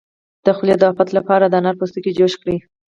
د خولې د افت لپاره د انار پوستکی جوش کړئ